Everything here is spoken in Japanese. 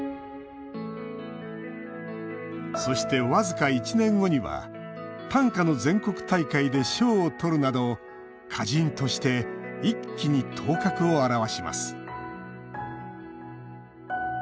そして僅か１年後には短歌の全国大会で賞をとるなど歌人として一気に頭角を現します。